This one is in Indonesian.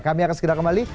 kami akan segera kembali